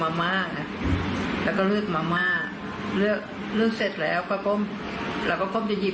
มันมันมันเอามือกดที่พละย้อยปลอก็ต่อสู้เลย